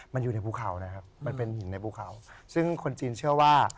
มันอยู่ในภูเขานะครับมันเป็นหินในภูเขาซึ่งคนจีนเชื่อว่า